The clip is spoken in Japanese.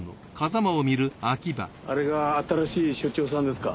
あれが新しい署長さんですか？